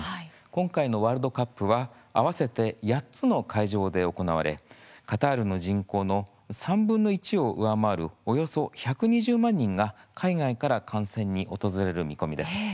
今回のワールドカップは合わせて８つの会場で行われカタールの人口の３分の１を上回る、およそ１２０万人が海外から観戦に訪れる見込みです。